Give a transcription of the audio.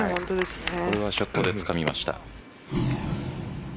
これはショットでつかみました。